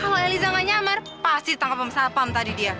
kalau eliza nggak nyamar pasti ditangkap perempuan tadi dia